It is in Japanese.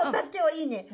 いいね。